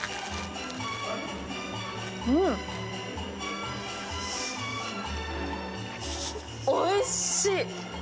うん、おいしい！